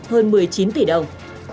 hơn một mươi chín tỷ đồng